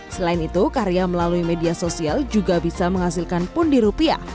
selain itu karya melalui media sosial juga bisa menghasilkan pundi rupiah